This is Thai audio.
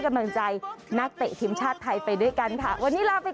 กำลังใจนักเตะทีมชาติไทยไปด้วยกันค่ะวันนี้ลาไป